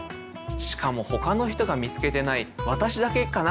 しかもほかの人が見つけてない「私だけかな？